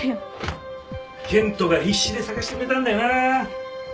健人が必死で捜してくれたんだよな。